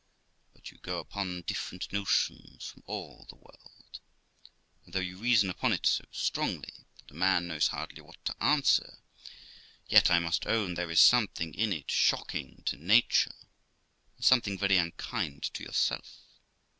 But you go upon different notions from all the world, and, though you reason upon it so strongly that a man knows hardly what to answer, yet I must own there is something in it shocking to nature, and something very unkind to yourself.